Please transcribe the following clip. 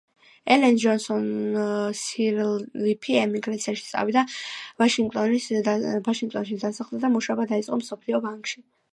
ელენ ჯონსონ-სირლიფი ემიგრაციაში წავიდა, ვაშინგტონში დასახლდა და მუშაობა დაიწყო მსოფლიო ბანკში.